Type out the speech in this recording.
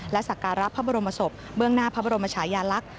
และสักการะพระบรมศพเบื้องหน้าพระบรมชายาลักษณ์